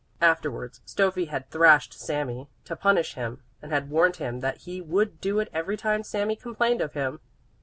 Afterwards Stöffi had thrashed Sami to punish him, and had warned him that he would do it every time Sami complained of him.